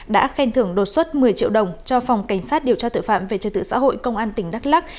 đã khen thưởng đột xuất một mươi triệu đồng cho phòng cảnh sát điều tra tội phạm về trật tự xã hội công an tỉnh đắk lắc